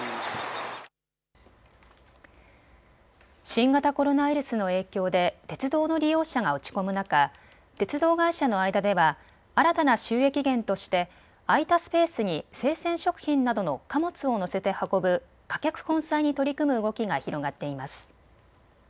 新型コロナウイルスの影響で鉄道の利用者が落ち込む中、鉄道会社の間では新たな収益源として空いたスペースに生鮮食品などの貨物を載せて運ぶ貨客混載に取り組む動きが広がっています。